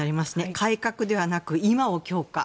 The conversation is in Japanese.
改革ではなくて今を強化。